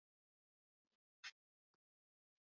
London na New York ni karibu na usawa